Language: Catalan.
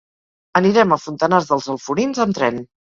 Anirem a Fontanars dels Alforins amb tren.